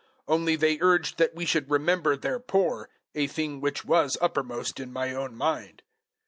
002:010 Only they urged that we should remember their poor a thing which was uppermost in my own mind.